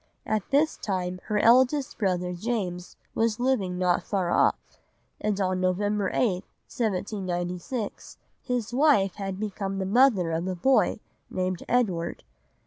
At this time her eldest brother James was living not far off, and on November 8, 1796, his wife had become the mother of a boy, named Edward.